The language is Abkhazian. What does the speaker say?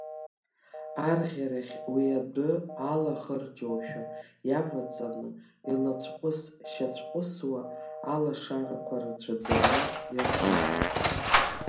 Арӷьарахь уи адәы алахырҷоушәа иаваҵаны, илацәҟәыс-шьацәҟәысуа алашарақәа рацәаӡаны иаркын.